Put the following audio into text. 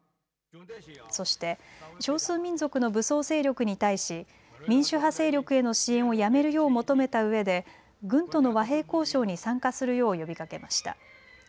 そして少数民族の武装勢力に対し民主派勢力への支援をやめるよう求めたうえで軍との和平交渉に参加するよう呼びかけました。